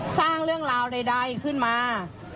สร้างเรื่องราวใดขึ้นมา